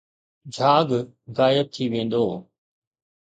جھاگ غائب ٿي ويندو